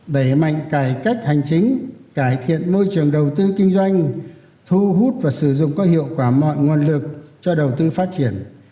đẩy mạnh cải cách hành chính cải thiện môi trường đầu tư kinh doanh thu hút và sử dụng có hiệu quả mọi nguồn lực cho đầu tư phát triển